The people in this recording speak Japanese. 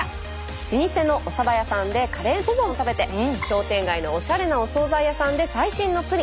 老舗のおそば屋さんでカレーそばを食べて商店街のおしゃれなお総菜屋さんで最新のプリン。